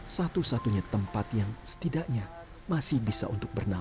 satu satunya tempat yang setidaknya masih bisa untuk bernama